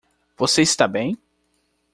Você está bem?